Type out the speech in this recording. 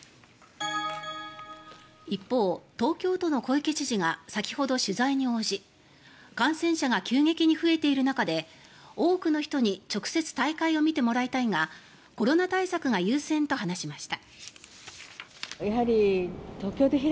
一方、東京都の小池知事が先ほど取材に応じ感染者が急激に増えている中で多くの人に直接大会を見てもらいたいがコロナ対策が優先と話しました。